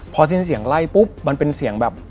พอสิ้นเสียงไล่ปุ๊บมันเป็นเสียงแบบ